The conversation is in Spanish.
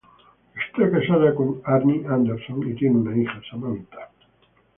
Está casada con Arnie Anderson y tiene una hija, Samantha.